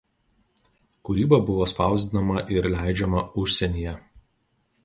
Kūryba buvo spausdinama ir leidžiama užsienyje.